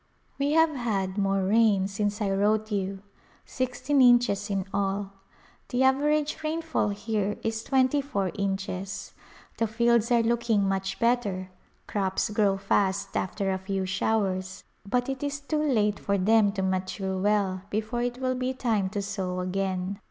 We have had more rain since I wrote you — sixteen inches in all. The average rainfall here is twenty four inches. The fields are looking much better ; crops grow fast after a few showers but it is too late for them to mature well before it will be time to sow again.